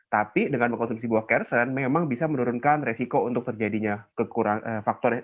tapi dengan mengkonsumsi buah kersen memang bisa menurunkan resiko untuk terjadinya kekurangan faktor